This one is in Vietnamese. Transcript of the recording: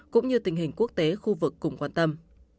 cũng như tình hình quốc tế khu vực cùng quan tâm